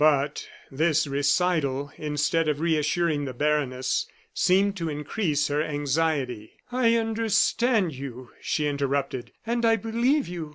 But this recital, instead of reassuring the baroness, seemed to increase her anxiety. "I understand you," she interrupted, "and I believe you.